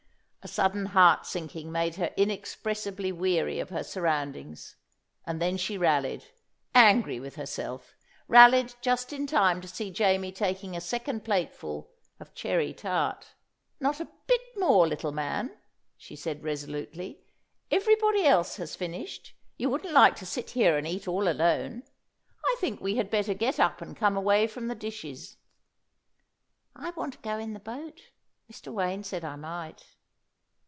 A sudden heart sinking made her inexpressibly weary of her surroundings, and then she rallied, angry with herself rallied just in time to see Jamie taking a second plateful of cherry tart. "Not a bit more, little man," she said resolutely. "Everybody else has finished. You wouldn't like to sit here and eat all alone. I think we had better get up and come away from the dishes." "I want to go in the boat; Mr. Wayne said I might."